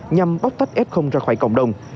nhằm bóc tách f ra khỏi cộng đồng